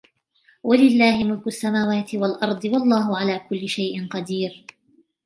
وَلِلَّهِ مُلْكُ السَّمَاوَاتِ وَالْأَرْضِ وَاللَّهُ عَلَى كُلِّ شَيْءٍ قَدِيرٌ